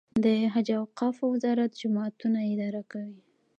د حج او اوقافو وزارت جوماتونه اداره کوي